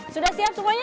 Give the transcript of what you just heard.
sudah siap semuanya